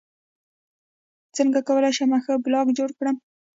څنګه کولی شم ښه بلاګ جوړ کړم